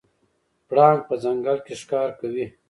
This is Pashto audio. پړانګ په ځنګل کې ښکار کوي.